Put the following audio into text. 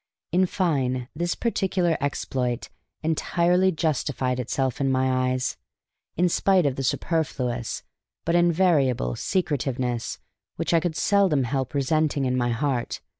In fine, this particular exploit entirely justified itself in my eyes, in spite of the superfluous (but invariable) secretiveness which I could seldom help resenting in my heart.